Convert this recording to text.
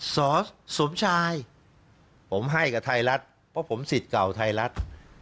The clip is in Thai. สอสมชายผมให้กับไทยรัฐเพราะผมสิทธิ์เก่าไทยรัฐ